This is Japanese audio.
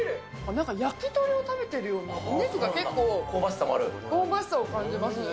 なんか焼き鳥を食べているような、お肉が結構、香ばしさを感じますね。